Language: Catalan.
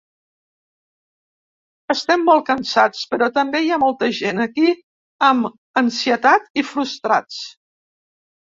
Estem molt cansats, però també hi ha molta gent aquí amb ansietat i frustrats.